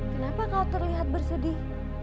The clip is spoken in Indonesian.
kenapa kau terlihat bersedih